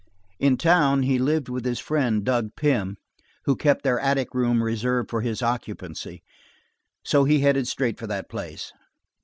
In town, he lived with his friend, Dug Pym, who kept their attic room reserved for his occupancy, so he headed straight for that place.